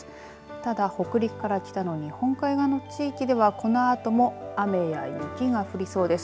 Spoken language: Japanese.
ただ、北陸から北の日本海側の地域ではこのあとも雨や雪が降りそうです。